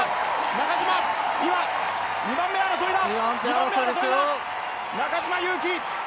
中島、今、２番目争いだ！